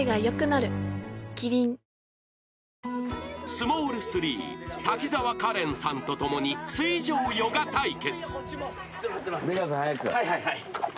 ［スモール３滝沢カレンさんと共に水上ヨガ対決］